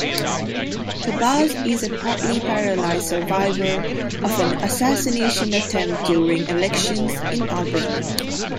Tabaj is a partly paralyzed survivor of an assassination attempt during elections in Albania.